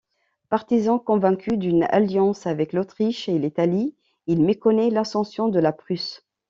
Partisan convaincu d'une alliance avec l'Autriche et l'Italie, il méconnaît l'ascension de la Prusse.